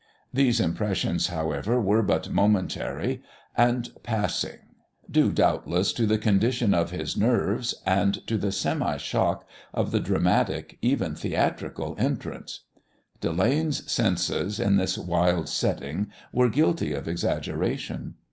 These impressions, however, were but momentary and passing, due doubtless to the condition of his nerves and to the semi shock of the dramatic, even theatrical entrance. Delane's senses, in this wild setting, were guilty of exaggeration.